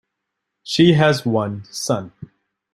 She has one son.